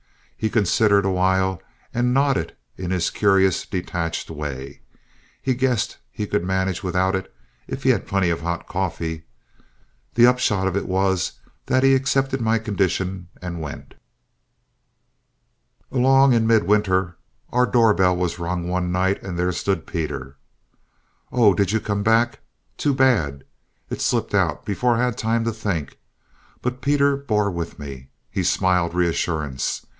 He considered a while, and nodded in his curious detached way; he guessed he could manage without it, if he had plenty of hot coffee. The upshot of it was that he accepted my condition and went. [Illustration: "THERE HE STOOD, INDIFFERENT, BORED IF ANYTHING, SHIFTLESS."] Along in midwinter our door bell was rung one night, and there stood Peter. "Oh! did you come back? Too bad!" It slipped out before I had time to think. But Peter bore with me. He smiled reassurance.